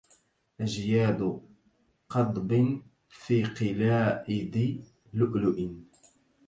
أجياد قضب في قلائد لؤلؤ